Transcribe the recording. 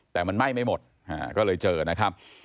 แต่มันไหม้ไม่หมดก็เลยเจอนะครับ